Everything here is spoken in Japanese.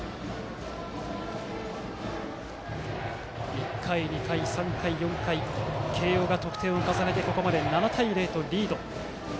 １回、２回、３回、４回と慶応が得点を重ねてここまで７対０とリード。